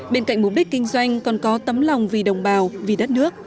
bên cạnh mục đích kinh doanh còn có tấm lòng vì đồng bào vì đất nước